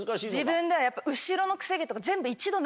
自分では。